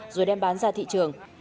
rồi đem bán ra thị trường